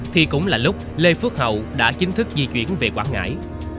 thì cũng là lúc lê phước hậu đã chính thức di chuyển về quảng ngãi